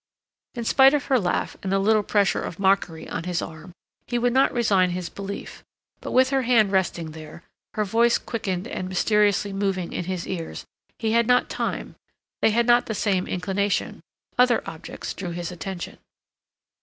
In spite of her laugh and the little pressure of mockery on his arm, he would not resign his belief, but with her hand resting there, her voice quickened and mysteriously moving in his ears, he had not time—they had not the same inclination—other objects drew his attention.